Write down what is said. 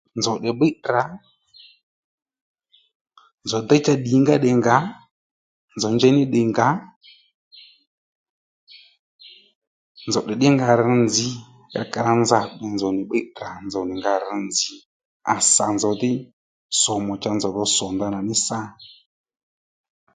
Nzòw nì bbíy tdrǎ nzòw déy cha ddǐnga ddiy ngǎ nzòw njey ní ddiy ngǎ nzòw tdè ddí nga rř nzǐ cha ka rǎ nza ò nzòw nì bbiy tdrǎ nzòw nì nga rř nzǐ à sà nzòw dhí somu cha nzòw dho sò ndanà mí sâ